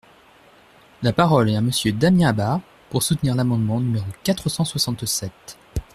La parole est à Monsieur Damien Abad, pour soutenir l’amendement numéro quatre cent soixante-sept.